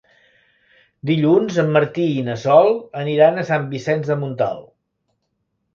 Dilluns en Martí i na Sol aniran a Sant Vicenç de Montalt.